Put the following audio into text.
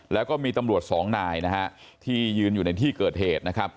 แล้วก็มีตำรวจสองนายนะฮะที่ยืนอยู่ในที่เกิดเหตุนะครับ